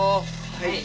はい。